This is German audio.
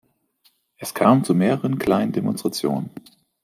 Es kam zu mehreren kleinen Demonstrationen.